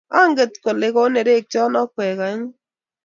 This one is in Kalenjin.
Anget kole konerekchon akwek aengu